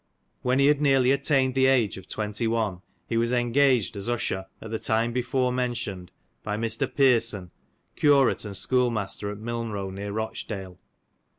When he had nearly attained the age of twenty one, he was engaged as usher at the time before mentioned, by Mr. Pearson, curate and schoolmaster at Milnrow, near Eochdale.